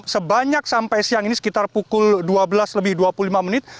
sebanyak sampai siang ini sekitar pukul dua belas lebih dua puluh lima menit